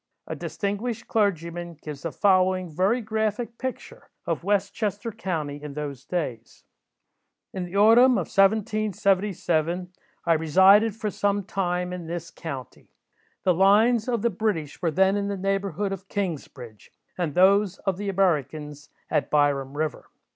A distinguished clergyman gives the following very graphic picture of West Chester county in those days:— "In the autumn of 1777, I resided for some time in this county. The lines of the British were then in the neighbourhood of Kingsbridge, and those of the Americans at Byram river.